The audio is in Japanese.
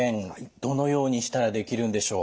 どのようにしたらできるんでしょう？